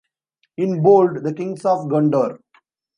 "In bold, the kings of Gondor"